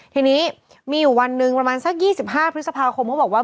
ทีนี้มีอยู่วันหนึ่งประมาณสัก๒๕พฤษภาคมเขาบอกว่า